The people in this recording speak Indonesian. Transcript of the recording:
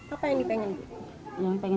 apa yang dipengen